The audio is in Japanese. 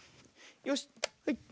よしはい。